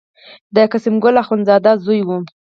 د قسیم ګل اخوندزاده زوی و.